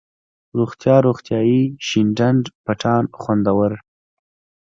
روغتيا، روغتیایي ،شين ډنډ، پټان ، خوندور،